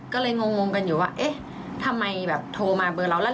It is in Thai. ก็เลยงงกันอยู่ว่าเอ๊ะทำไมแบบโทรมาเบอร์เราแล้ว